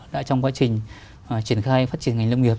đã trong quá trình triển khai phát triển ngành lâm nghiệp